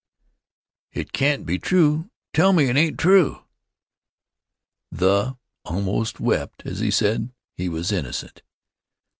It can't be true. Tell me it ain't true." "The" almost wept as he said he was innocent.